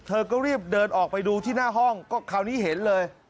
เธอก็รีบเดินออกไปดูที่หน้าห้องก็คราวนี้เห็นเลย